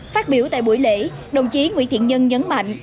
phát biểu tại buổi lễ đồng chí nguyễn thiện nhân nhấn mạnh